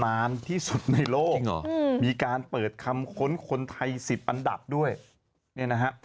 นานที่สุดในโลกมีการเปิดคำค้นคนไทย๑๐อันดับด้วยเนี่ยนะฮะ